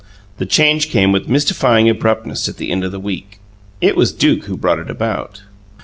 The change came with mystifying abruptness at the end of the week. It was Duke who brought it about.